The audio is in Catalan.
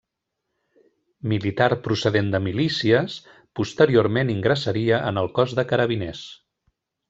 Militar procedent de milícies, posteriorment ingressaria en el Cos de Carabiners.